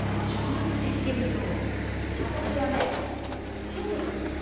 私はね信じてるのよ